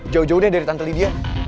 jauh jauhnya dari tante lydia